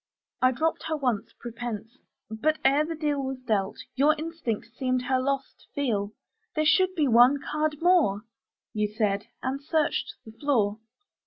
I dropped her once, prepense; but, ere the deal Was dealt, your instinct seemed her loss to feel: 'There should be one card more,' You said, and searched the floor.